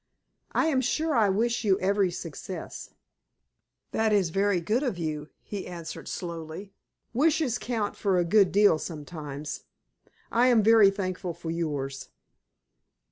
"I am sure I wish you every success." "That is very good of you," he answered, slowly. "Wishes count for a good deal sometimes. I am very thankful for yours."